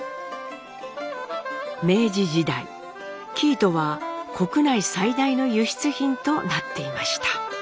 明治時代生糸は国内最大の輸出品となっていました。